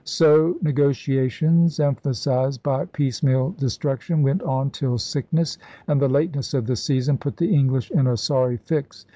So negoti ations, emphasized by piecemeal destruction, went on till sickness and the lateness of the season put the English in a sorry fix.